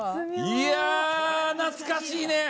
いやあ懐かしいね！